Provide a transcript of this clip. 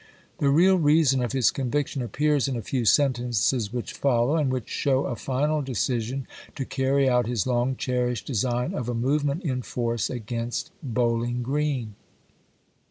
The real reason of his conviction appears in a few sentences ibid., which follow, and which show a final decision to ^w.'r. carry out his long cherished design of a movement pp. 931, 932. in force against Bowling G reen.